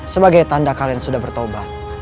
sebagai tanda kalian sudah bertobat